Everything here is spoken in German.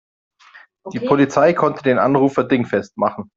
Die Polizei konnte den Anrufer dingfest machen.